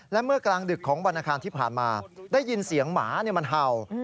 และเมื่อกลางดึกของวันอาคารที่ผ่านมาได้ยินเสียงหมามันเห่า